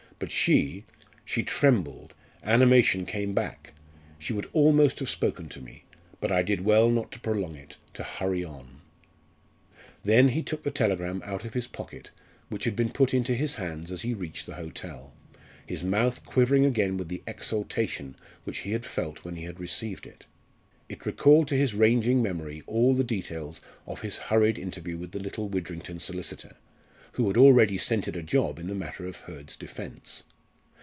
But she she trembled animation came back. She would almost have spoken to me but I did well not to prolong it to hurry on." Then he took the telegram out of his pocket which had been put into his hands as he reached the hotel, his mouth quivering again with the exultation which he had felt when he had received it. It recalled to his ranging memory all the details of his hurried interview with the little Widrington solicitor, who had already scented a job in the matter of Hurd's defence.